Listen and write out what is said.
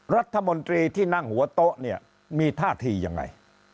รัฐมนตรีที่นั่งหัวโต๊ะเนี่ยมีท่าทียังไง